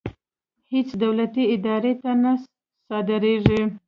هېڅ دولتي ادارې ته نه صادرېږي.